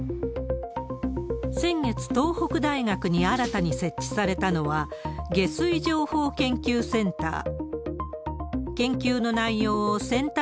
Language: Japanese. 先月、東北大学に新たに設置されたのは、下水情報研究センター。